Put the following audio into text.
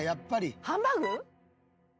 ハンバーグ？